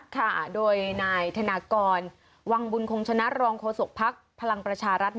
ค่ะโดยนายธนากรวังบุญคงชนะรองโฆษกภักดิ์พลังประชารัฐ